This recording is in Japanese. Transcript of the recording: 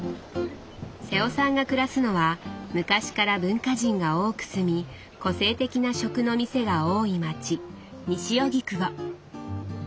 瀬尾さんが暮らすのは昔から文化人が多く住み個性的な食の店が多い街西荻窪。